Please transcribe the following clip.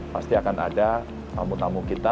pasti akan ada tamu tamu kita